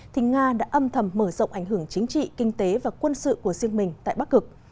thì nga đã âm thầm mở rộng ảnh hưởng chính trị kinh tế và quân sự của riêng mình tại bắc cực